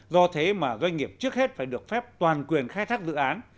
do thế mà doanh nghiệp trước hết phải được phép toàn quyền khai thác dự án